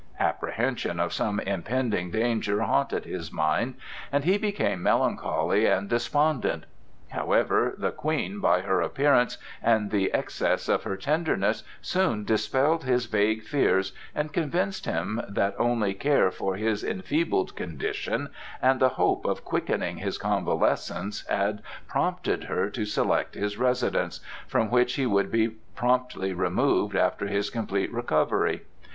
Apprehensions of some impending danger haunted his mind, and he became melancholy and despondent. However, the Queen by her appearance and the excess of her tenderness soon dispelled his vague fears and convinced him that only care for his enfeebled condition and the hope of quickening his convalescence had prompted her to select his residence, from which he would be promptly removed after his complete recovery.